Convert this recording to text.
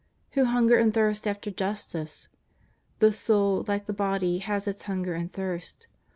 Who hunger and thirst after justice. The soul, like the body, has its hunger and thirst.